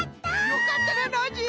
よかったなノージー。